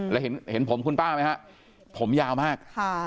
แล้วเห็นผมคุณป้าไหมฮะผมยาวมาก